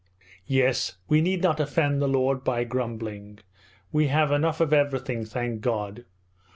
'Yes, we need not offend the Lord by grumbling! We have enough of everything, thank God.